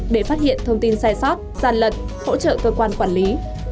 để phát hiện thông tin sai sót giàn lật hỗ trợ cơ quan quản lý